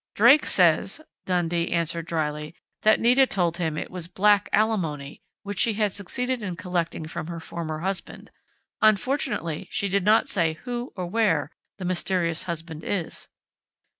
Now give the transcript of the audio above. "Drake says," Dundee answered dryly, "that Nita told him it was 'back alimony' which she had succeeded in collecting from her former husband. Unfortunately, she did not say who or where the mysterious husband is."